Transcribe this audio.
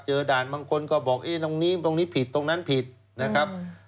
เจอด่านบางคนก็บอกตรงนี้ผิดตรงนั้นผิดนะครับ